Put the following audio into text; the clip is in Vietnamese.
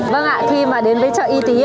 vâng ạ khi mà đến với chợ y tí